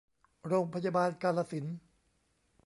โรงพยาบาลกาฬสินธุ์